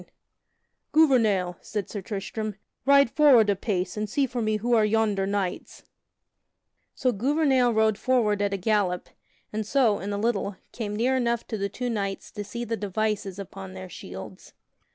[Sidenote: Sir Tristram comes to two knights] "Gouvernail," said Sir Tristram, "ride forward apace and see for me who are yonder knights." So Gouvernail rode forward at a gallop, and so, in a little, came near enough to the two knights to see the devices upon their shields.